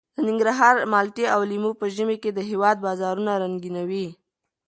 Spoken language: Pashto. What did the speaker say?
د ننګرهار مالټې او لیمو په ژمي کې د هېواد بازارونه رنګینوي.